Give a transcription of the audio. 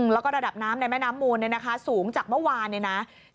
แล้วก็ระดับน้ำในแม่น้ำมูลสูงจากเมื่อวานเนี่ยนะ